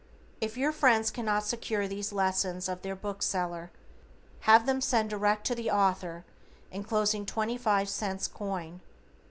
If your friends cannot secure these lessons of their bookseller, have them send direct to the Author, enclosing twenty five cents coin.